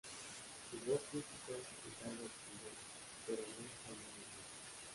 Su voz crítica es algo obstinada, pero honesta al mismo tiempo.